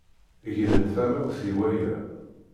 Gren tamawt i waya.